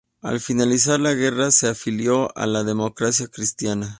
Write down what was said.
Al finalizar la guerra se afilió a la Democracia Cristiana.